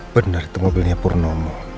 benar itu mobilnya purnomo